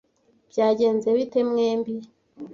Byagenze bite mwembi?